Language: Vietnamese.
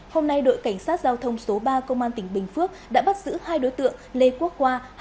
hôm nay đội cảnh sát giao thông số ba công an tỉnh bình phước đã bắt giữ hai đối tượng lê quốc qua